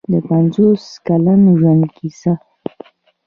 د پنځوس کلن ژوند کیسه.